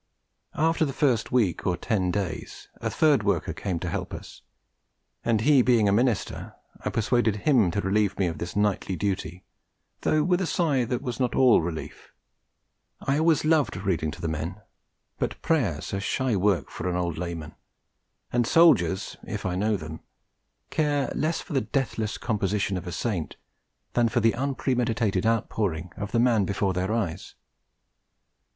After the first week or ten days, a third worker came to help us; and he being a minister, I persuaded him to relieve me of this nightly duty, though with a sigh that was not all relief. I always loved reading to the men, but Prayers are shy work for an old layman, and soldiers (if I know them) care less for the deathless composition of a Saint than for the unpremeditated outpouring of the man before their eyes.